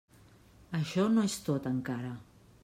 Això no és tot encara.